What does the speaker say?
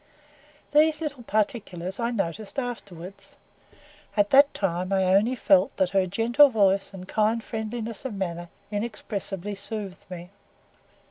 These little particulars I noticed afterwards; at that time I only felt that her gentle voice and kind friendliness of manner inexpressibly soothed me.